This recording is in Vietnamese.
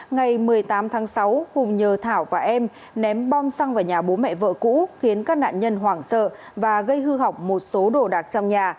ngày một mươi tám tháng sáu hùng nhờ thảo và em ném bom xăng vào nhà bố mẹ vợ cũ khiến các nạn nhân hoảng sợ và gây hư hỏng một số đồ đạc trong nhà